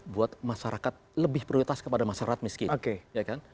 buat masyarakat lebih prioritas kepada masyarakat miskin